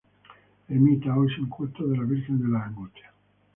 Ermita, hoy sin culto, de la Virgen de las Angustias.